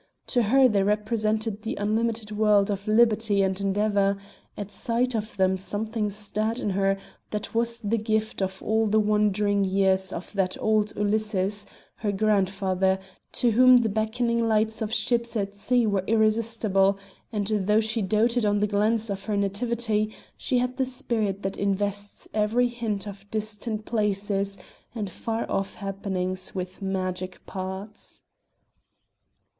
To her they represented the unlimited world of liberty and endeavour; at sight of them something stirred in her that was the gift of all the wandering years of that old Ulysses, her grandfather, to whom the beckoning lights of ships at sea were irresistible, and though she doted on the glens of her nativity, she had the spirit that invests every hint of distant places and far off happenings with magic parts.